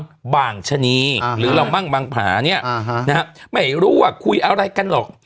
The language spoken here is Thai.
บางชะนีหรือเรามั่งบางผาเนี่ยนะฮะไม่รู้ว่าคุยอะไรกันหรอก